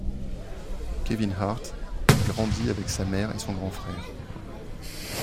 Kevin Hart grandit avec sa mère et son grand-frère.